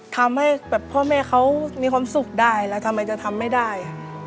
ทำให้แบบพ่อแม่เขามีความสุขได้แล้วทำไมจะทำไม่ได้